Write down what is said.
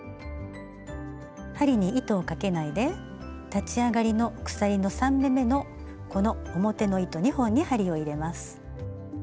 針に糸をかけないで立ち上がりの鎖３目めのこの表の糸２本に針を入れます。